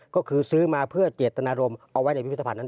ก็คือซื้อมาเพื่อเจตนารมณ์เอาไว้ในพิพิธภัณฑ์นั้น